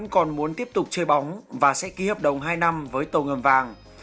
còn muốn tiếp tục chơi bóng và sẽ ký hợp đồng hai năm với tàu ngầm vàng